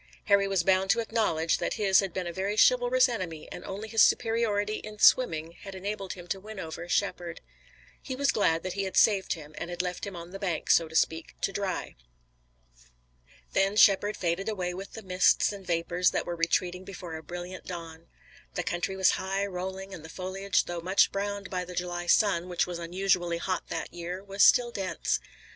Harry was bound to acknowledge that his had been a very chivalrous enemy and only his superiority in swimming had enabled him to win over Shepard. He was glad that he had saved him and had left him on the bank, so to speak, to dry. Then Shepard faded away with the mists and vapors that were retreating before a brilliant dawn. The country was high, rolling, and the foliage, although much browned by the July sun, which was unusually hot that year, was still dense.